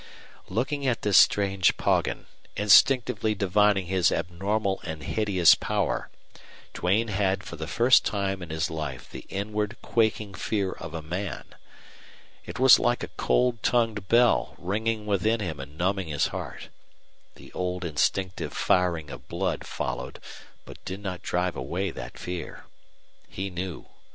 Looking at this strange Poggin, instinctively divining his abnormal and hideous power, Duane had for the first time in his life the inward quaking fear of a man. It was like a cold tongued bell ringing within him and numbing his heart. The old instinctive firing of blood followed, but did not drive away that fear. He knew.